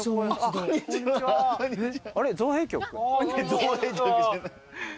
造幣局じゃない。